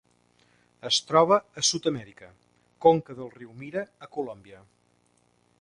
Es troba a Sud-amèrica: conca del riu Mira a Colòmbia.